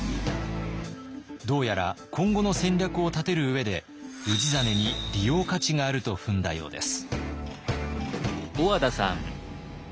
どうやら今後の戦略を立てる上で氏真に利用価値があると踏んだようです。